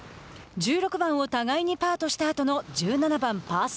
１６番を互いにパーとしたあとの１７番パー３。